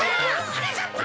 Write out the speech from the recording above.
はなかっぱ！